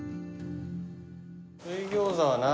水餃子はな